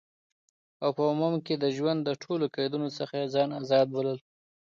او په عموم کی د ژوند د ټولو قیدونو څخه یی ځان آزاد بلل،